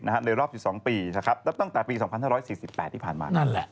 ในรอบ๑๒ปีและตั้งแต่ปี๒๕๔๘ที่ผ่านมา